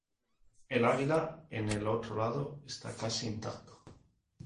El águila en el otro lado está casi intacto.